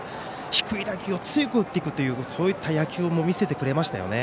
低い打球を強く打っていくというそういった野球も見せてくれましたよ。